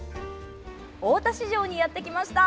大田市場にやってきました。